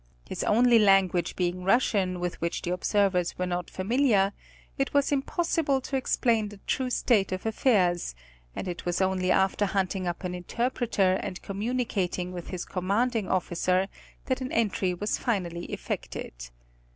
His only language being Russian with which the observers were not familiar, it was impos sible to explain the true state of affairs, and it was only after hunting up an interpreter and communicating with his command ing officer that an entry was finally effected.